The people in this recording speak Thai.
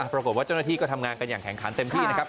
ปรากฏว่าเจ้าหน้าที่ก็ทำงานกันอย่างแข่งขันเต็มที่นะครับ